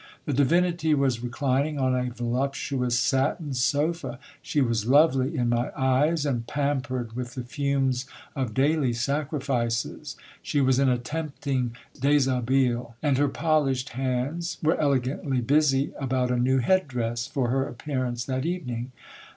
The divinity was reclining on a volup tuous satin sofa : she was lovely in my eyes, and pampered with the fumes of daily sacrifices. She was in a tempting dishabille, and her polished hands were elegantly busy about a new head dress for her appearance that evening.